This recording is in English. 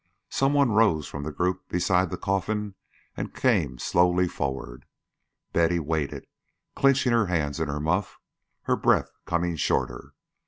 Some one rose from the group beside the coffin and came slowly forward. Betty waited, clinching her hands in her muff, her breath coming shorter.